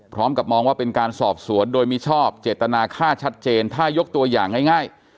พร้อมกับมองว่าเป็นการสอบสวนโดยมิชอบเจตนาค่าชัดเจนถ้ายกตัวอย่างง่าย